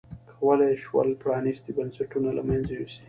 کولای یې شول پرانیستي بنسټونه له منځه یوسي.